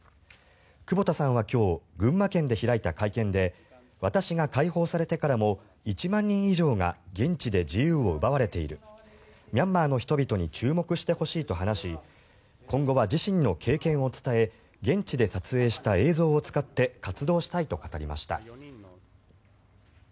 久保田さんは今日群馬県で開いた会見で私が解放されてからも１万人以上が現地で自由を奪われているミャンマーの人々に注目してほしいと話し今後は自身の経験を伝え現地で撮影した映像を使って活動したいと語りました。